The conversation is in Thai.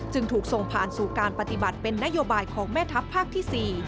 ถูกส่งผ่านสู่การปฏิบัติเป็นนโยบายของแม่ทัพภาคที่๔